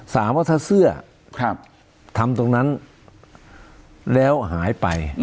ถามว่าถ้าเสื้อทำตรงนั้นแล้วหายไป